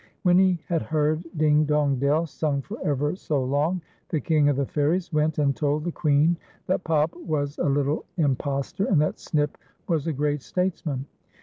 When he had heard " Ding, dong, dell," sung for ever so long, the King of the Fairies went and told the Queen that Pop was a little impostor, and that Snip was a great statesman.